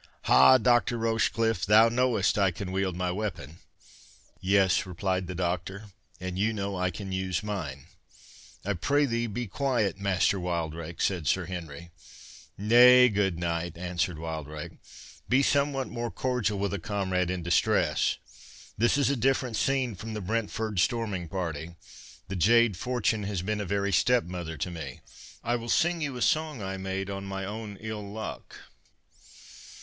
—Ha, Doctor Rochecliffe!—thou knowest I can wield my weapon." "Yes," replied the Doctor, "and you know I can use mine." "I prithee be quiet, Master Wildrake," said Sir Henry. "Nay, good knight," answered Wildrake, "be somewhat more cordial with a comrade in distress. This is a different scene from the Brentford storming party. The jade Fortune has been a very step mother to me. I will sing you a song I made on my own ill luck."